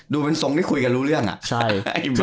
ดูเป็นทรงที่คุยกันรู้เรื่องอ่ะใช่